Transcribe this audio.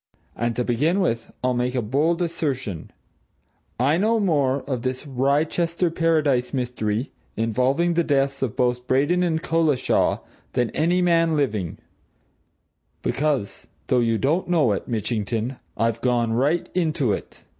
And to begin with, I'll make a bold assertion I know more of this Wrychester Paradise mystery involving the deaths of both Braden and Collishaw, than any man living because, though you don't know it, Mitchington, I've gone right into it.